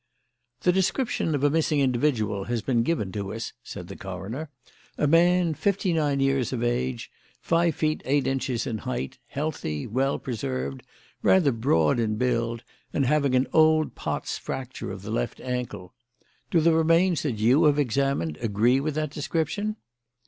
"The description of a missing individual has been given to us," said the coroner; "a man, fifty nine years of age, five feet eight inches in height, healthy, well preserved, rather broad in build, and having an old Pott's fracture of the left ankle. Do the remains that you have examined agree with that description?"